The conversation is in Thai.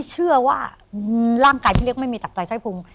ไม่เชื่อว่าร่างไกลพี่เล็กไม่มีตากไตรไช้ภูมิ